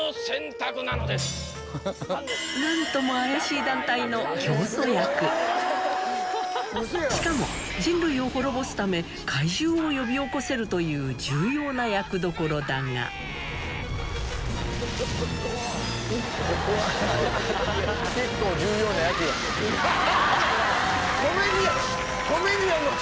何とも役しかも人類を滅ぼすため怪獣を呼び起こせるという重要な役どころだがあぁ！